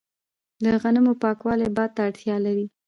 د غنمو پاکول باد ته اړتیا لري.